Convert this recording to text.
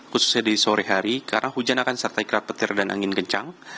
khususnya di sore hari karena hujan akan disertai kerat petir dan angin kencang